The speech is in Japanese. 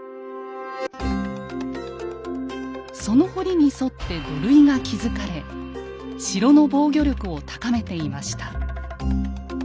その堀に沿って土塁が築かれ城の防御力を高めていました。